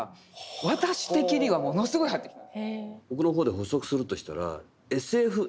私的にはものすごい入ってきた。